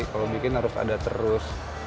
kalau bikin harus ada terus